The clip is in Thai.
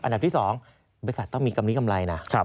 อันดับที่๒บริษัทต้องมีกำลีกำไรนะ